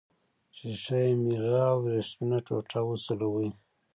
ښيښه یي میله او وریښمینه ټوټه وسولوئ.